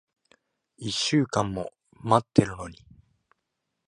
一週間も待ってるのに。